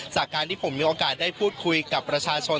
จากการที่ผมมีโอกาสได้พูดคุยกับประชาชน